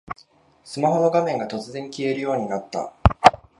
スマホの画面が突然消えるようになった